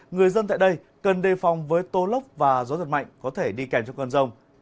người dân tại đây cần đề phòng với tô lốc và gió giật mạnh có thể đi kèm cho cơn rông